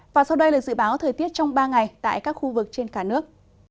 và sau đây là dự báo thời tiết trong ba ngày tại các khu vực trên cả nước